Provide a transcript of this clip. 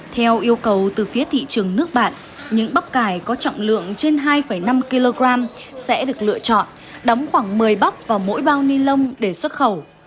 theo yêu cầu từ phía thị trường nước bạn những bắp cải có trọng lượng trên hai năm kg sẽ được lựa chọn đóng khoảng một mươi bắp vào mỗi bao ni lông để xuất khẩu